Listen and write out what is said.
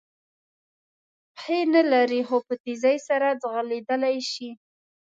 پښې نه لري خو په تېزۍ سره ځغلېدلای شي.